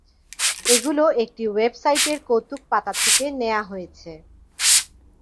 এগুলো একটি ওয়েবসাইটের কৌতুক পাতা থেকে নেয়া হয়েছে।